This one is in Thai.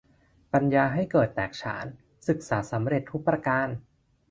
ปัญญาให้เกิดแตกฉาน ศึกษาสำเร็จทุกประการ